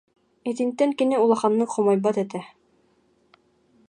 Итинтэн кини улаханнык хомойбот этэ